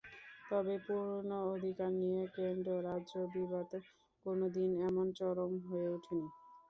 তবে পূর্ণ অধিকার নিয়ে কেন্দ্র-রাজ্য বিবাদ কোনো দিন এমন চরম হয়ে ওঠেনি।